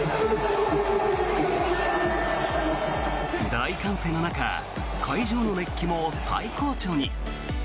大歓声の中会場の熱気も最高潮に。